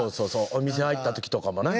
お店入ったときとかもな。